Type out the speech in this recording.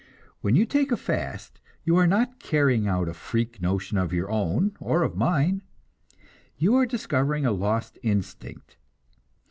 When you take a fast, you are not carrying out a freak notion of your own, or of mine; you are discovering a lost instinct.